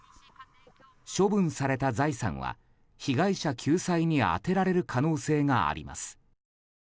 処分された財産は被害者救済に充てられる可能性があります。